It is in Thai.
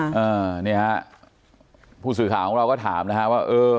ซักครู่นี่ครับผู้สื่อขามของเราก็ถามนะคะ